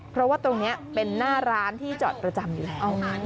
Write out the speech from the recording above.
เพราะว่าตรงนี้เป็นหน้าร้านที่จอดประจำอยู่แล้ว